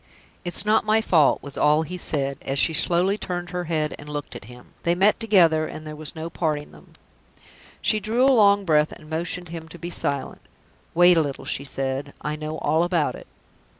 "It's not my fault," was all he said, as she slowly turned her head and looked at him. "They met together, and there was no parting them." She drew a long breath, and motioned him to be silent. "Wait a little," she said; "I know all about it."